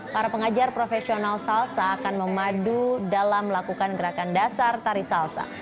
para pengajar profesional salsa akan memadu dalam melakukan gerakan dasar tari salsa